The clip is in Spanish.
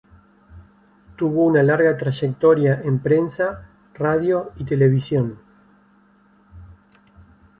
Tuvo una larga trayectoria en prensa, radio y televisión.